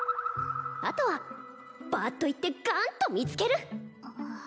あとはバアッといってガーンと見つける！